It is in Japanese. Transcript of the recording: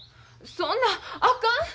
そんなあかん！